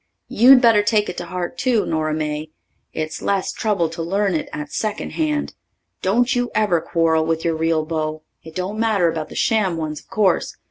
You'd better take it to heart too, Nora May. It's less trouble to learn it at second hand. Don't you ever quarrel with your real beau it don't matter about the sham ones, of course.